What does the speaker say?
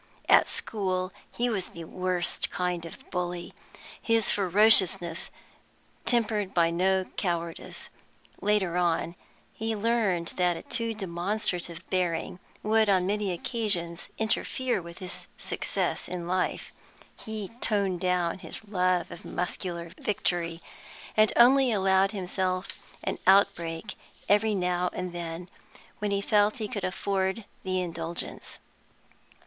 At school he was the worst kind of bully, his ferociousness tempered by no cowardice. Later on, he learned that a too demonstrative bearing would on many occasions interfere with his success in life; he toned down his love of muscular victory, and only allowed himself an outbreak every now and then, when he felt he could afford the indulgence.